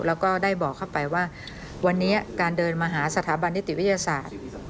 แล้วก็ได้บอกเข้าไปว่าวันนี้การเดินมาหาสถาบันนิติวิทยาศาสตร์